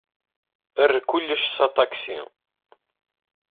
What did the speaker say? Err kullec s aṭaksi.